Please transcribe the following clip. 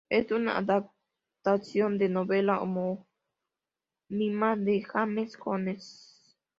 Es una adaptación de la novela homónima de James Jones.